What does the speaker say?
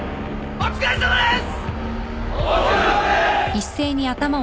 お疲れさまです！